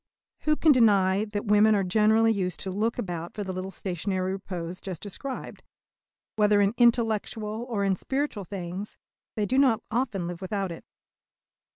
Who can deny that women are generally used to look about for the little stationary repose just described? Whether in intellectual or in spiritual things, they do not often live without it.